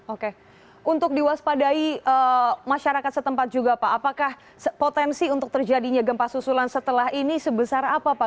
oke untuk diwaspadai masyarakat setempat juga pak apakah potensi untuk terjadinya gempa susulan setelah ini sebesar apa pak